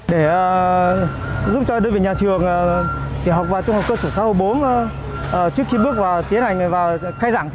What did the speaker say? để giúp cho đối với nhà trường tiểu học và trung học cơ sở hồ bốn trước khi bước vào tiến hành và khai giảng